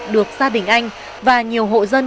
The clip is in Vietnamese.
được gia đình anh và nhiều hộ dân